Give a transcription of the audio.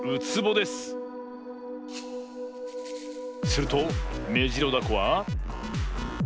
するとメジロダコは。